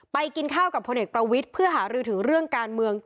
กินข้าวกับพลเอกประวิทย์เพื่อหารือถึงเรื่องการเมือง